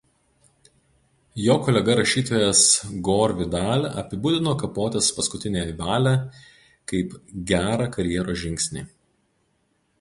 Jo kolega rašytojas Gore Vidal apibūdino Kapotės paskutiniąją valią kaip „gerą karjeros žingsnį“.